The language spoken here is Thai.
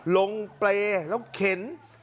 เปรย์แล้วเข็น